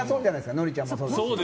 ノリちゃんもそうだし。